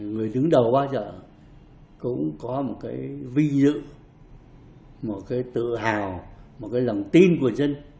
người đứng đầu bao giờ cũng có một cái vinh dự một cái tự hào một cái lòng tin của dân